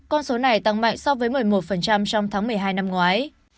con số này tăng mạnh so với một mươi một trong tháng một mươi hai năm ngoái